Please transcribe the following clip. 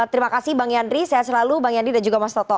terima kasih bang yandri sehat selalu bang yandri dan juga mas toto